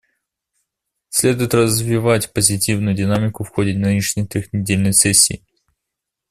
Следует развивать позитивную динамику в ходе нынешней трехнедельной сессии.